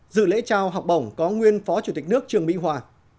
dự lễ trao học bổng có nguyên phó chủ tịch nước trường mỹ hòa